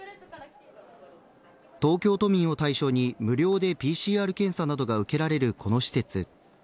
東京都民を対象に無料でＰＣＲ検査などが受けられるこの施設。